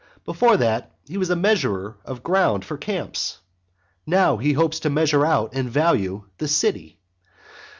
Before that, he was a measurer of ground for camps; now he hopes to measure out and value the city.